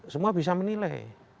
semua bisa menilai